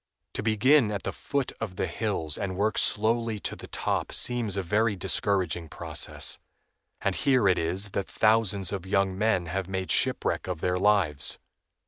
To begin at the foot of the hills and work slowly to the top seems a very discouraging process, and here it is that thousands of young men have made shipwreck of their lives.